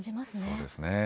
そうですね。